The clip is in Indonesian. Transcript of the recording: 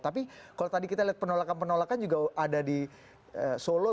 tapi kalau tadi kita lihat penolakan penolakan juga ada di solo